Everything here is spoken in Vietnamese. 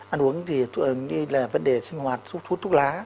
ăn uống thì là vấn đề sinh hoạt thuốc lá